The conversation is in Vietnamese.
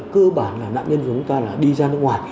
cơ bản là nạn nhân của chúng ta là đi ra nước ngoài